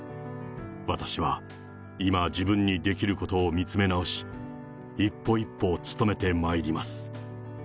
私は今、自分にできることを見つめ直し、一歩一歩勤めてまいります。